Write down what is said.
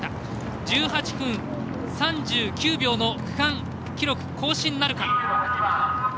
１８分３９秒の区間記録更新なるか。